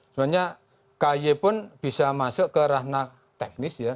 sebenarnya kay pun bisa masuk ke ranah teknis ya